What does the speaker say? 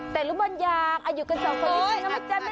ไปรุมยากอยู่กันสองคนนะเจน